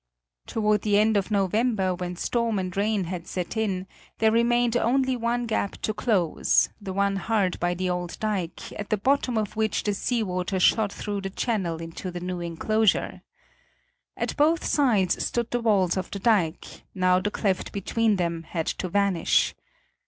Toward the end of November, when storm and rain had set in, there remained only one gap to close, the one hard by the old dike, at the bottom of which the sea water shot through the channel into the new enclosure. At both sides stood the walls of the dike; now the cleft between them had to vanish.